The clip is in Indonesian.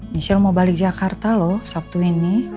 michelle mau balik jakarta loh sabtu ini